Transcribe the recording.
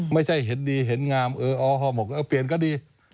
ไม่ใช่เห็นดีเห็นงามเอออฮหมกเออเปลี่ยนก็ดี